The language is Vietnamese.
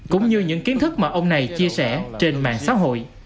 cũng như những kiến thức mà ông này chia sẻ trên mạng xã hội